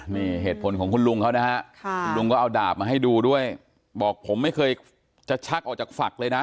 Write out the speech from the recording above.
นี่เหตุผลของคุณลุงเขานะฮะคุณลุงก็เอาดาบมาให้ดูด้วยบอกผมไม่เคยจะชักออกจากฝักเลยนะ